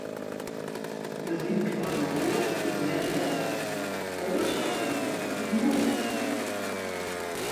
Gelyk as in oar is net moai, oars as in oar is moai.